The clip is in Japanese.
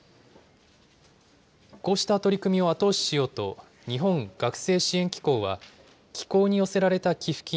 こうした取り組みを後押ししようと、日本学生支援機構は、機構に寄せられた寄付金